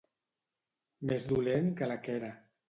Més dolent que la quera.